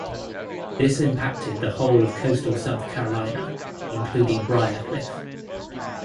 This impacted the whole of coastal South Carolina, including Briarcliffe.